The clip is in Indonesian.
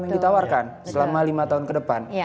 yang ditawarkan selama lima tahun ke depan